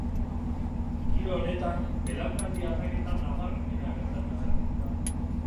Giro honetan belaunaldi aldaketa nabarmena gertatu zen.